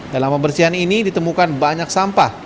dalam pembersihan ini ditemukan banyak sampah